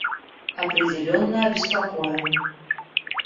Определенно обеспокоен.